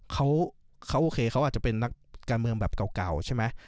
เขาโอเคเขาอาจจะเป็นนักการเมืองแบบเก่าใช่ไหม